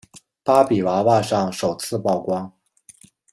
芭比娃娃上首次曝光。